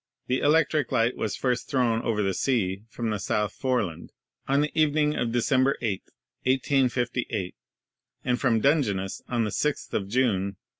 The electric light was first thrown over the sea from the South Foreland on the evening of December 8, 1858, and from Dungeness on the 6th of June, 1862.